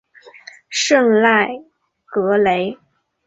圣赖格勒。